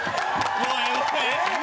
もうええ！